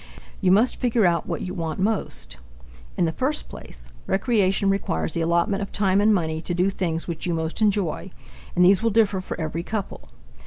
You must figure out what you want most. In the first place, recreation requires the allotment of time and money to do things which you most enjoy, and these will differ for every couple.